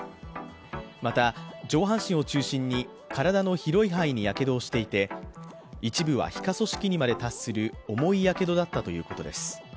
また、上半身を中心に体の広い範囲にやけどをしていて一部は皮下組織にまで達する重いやけどだったということです。